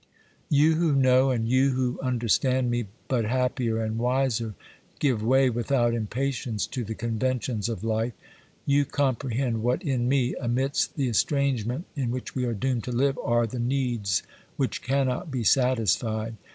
You who know and you who understand me, but, happier and wiser, give way without impatience to the conventions of life, you comprehend what in me, amidst the estrangement in which we are doomed to live, are the needs which cannot be satisfied.